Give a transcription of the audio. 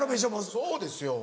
そうですよ